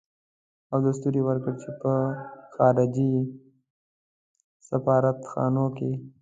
او دستور يې ورکړ چې په خارجي سفارت خانو کې.